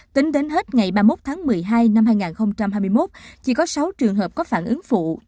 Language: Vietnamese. tính đến hết ngày ba mươi một tháng một mươi hai năm hai nghìn hai mươi một chỉ có sáu trường hợp có phản ứng phụ